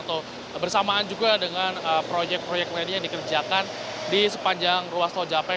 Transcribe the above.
atau bersamaan juga dengan proyek proyek lainnya yang dikerjakan di sepanjang ruas tol japek